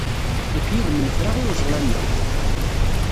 Nekk yid-m nefra iweẓla-nneɣ.